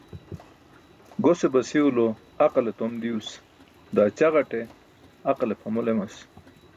Gose basiw lo aqale tom diws, daa ćaġate aqale pʰamol emas.